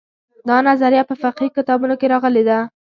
دا نظریه په فقهي کتابونو کې راغلې ده.